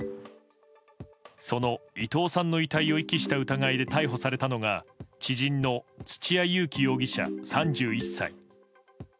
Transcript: その伊藤さんの遺体を遺棄した疑いで逮捕されたのが知人の土屋勇貴容疑者、３１歳。